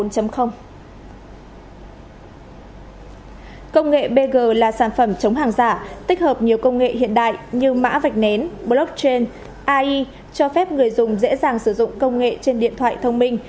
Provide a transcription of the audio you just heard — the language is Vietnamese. công nghệ bg là sản phẩm chống hàng giả tích hợp nhiều công nghệ hiện đại như mã vạch nén blockchain ai cho phép người dùng dễ dàng sử dụng công nghệ trên điện thoại thông minh